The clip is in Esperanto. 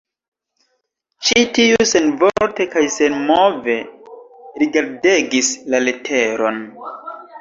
Ĉi tiu senvorte kaj senmove rigardegis la leteron.